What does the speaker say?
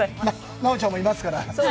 奈緒ちゃんもいますから。